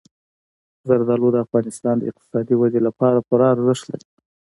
زردالو د افغانستان د اقتصادي ودې لپاره پوره ارزښت لري.